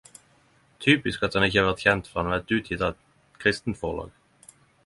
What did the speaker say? Typisk at den ikkje vert kjent fordi den er utgjeve av eit kristent forlag.